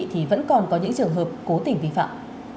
thì vẫn còn có những trường hợp cố tình vi phạm